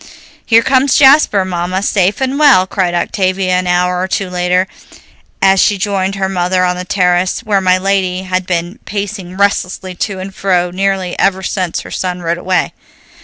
"Here comes Jasper, Mamma, safe and well," cried Octavia an hour or two later, as she joined her mother on the terrace, where my lady had been pacing restlessly to and fro nearly ever since her son rode away.